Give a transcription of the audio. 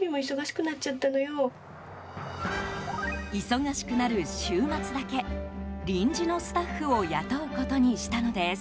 忙しくなる週末だけ臨時のスタッフを雇うことにしたのです。